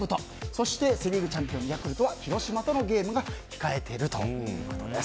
そして、セ・リーグチャンピオンヤクルトは広島とのゲームが控えているということです。